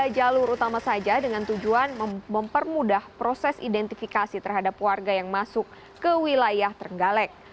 tiga jalur utama saja dengan tujuan mempermudah proses identifikasi terhadap warga yang masuk ke wilayah trenggalek